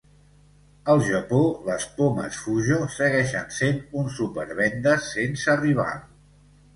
Al Japó, les pomes Fujo segueixen sent un supervendes sense rival.